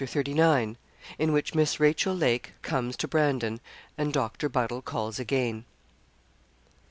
CHAPTER XXXIX. IN WHICH MISS RACHEL LAKE COMES TO BRANDON, AND DOCTOR BUDDLE CALLS AGAIN.